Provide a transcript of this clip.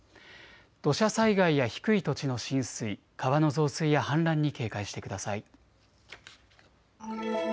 土砂災害や低い土地の浸水、川の増水や氾濫に警戒してください。